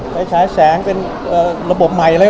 ไปใช้แสงเป็นระบบใหม่เลย